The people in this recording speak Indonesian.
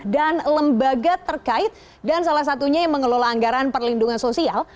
dan lembaga terkait dan salah satunya yang mengelola anggaran perlindungan sosial